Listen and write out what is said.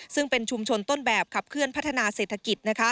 ซึ่งเป็นชุมชนต้นแบบขับเคลื่อนพัฒนาเศรษฐกิจ